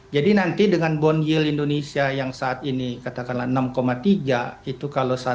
jadi nanti dengan bond yield indonesia yang saat ini katakanlah enam tiga